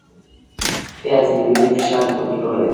پیاز د وینې فشار کنټرولوي